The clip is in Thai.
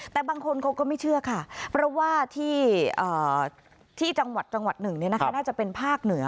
แต่บางคนเขาก็ไม่เชื่อค่ะเพราะว่าที่จังหวัดจังหวัดหนึ่งน่าจะเป็นภาคเหนือ